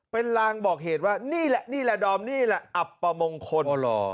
เป็นลางบอกเหตุว่านี่แหละนี่แหละดอมนี่แหละอับประมงคล